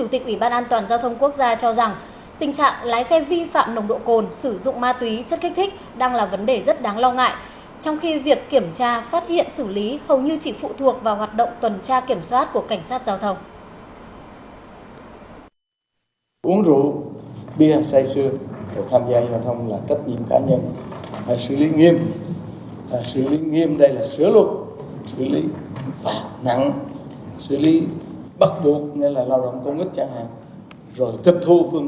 tình trạng lái xe vi phạm nồng độ cồn sử dụng ma túy chất kích thích đang là vấn đề rất đáng lo ngại trong khi việc kiểm tra phát hiện xử lý hầu như chỉ phụ thuộc vào hoạt động tuần tra kiểm soát của cảnh sát giao thông